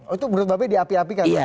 itu menurut mbak be diapi apikan